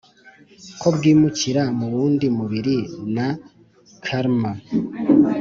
ko bwimukira mu wundi mubiri na karma.